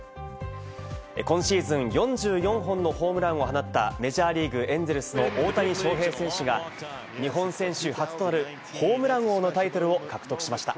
今シーズン４４本のホームランを放ったメジャーリーグ・エンゼルスの大谷翔平選手が日本選手初となるホームラン王のタイトルを獲得しました。